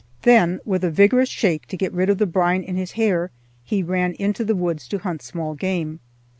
Then, with a vigorous shake to get rid of the brine in his hair, he ran into the woods to hunt small game.